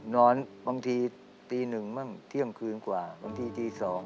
นอนบางทีตีหนึ่งเมื่องเที่ยงคืนกว่าบางทีตีสอง